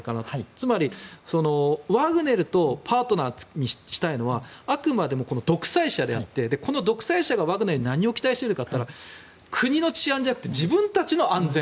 つまり、ワグネルとパートナーにしたいのはあくまでもこの独裁者であってこの独裁者がワグネルに何を期待しているのかといったら国の治安じゃなくて自分たちの安全